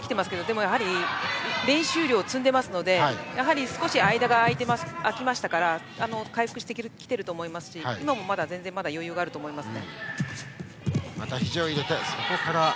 でも、やはり練習量を積んでいますのでやはり、少し間が空きましたから回復してきていると思いますし今も全然余裕があると思います。